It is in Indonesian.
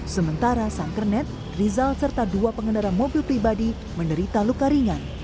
sementara sang kernet rizal serta dua pengendara mobil pribadi menderita luka ringan